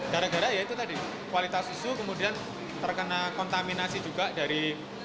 gara gara ya itu tadi kualitas susu kemudian terkena kontaminasi juga dari